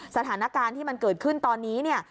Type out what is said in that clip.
สถานการณ์ที่มันเกิดขึ้นตอนนี้เนี่ย